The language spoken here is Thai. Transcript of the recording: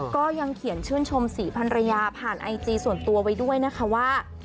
ก็ยังเขียนชื่นชมศรีพันรยาผ่านไอจีส่วนตัวไว้ด้วยนะคะว่า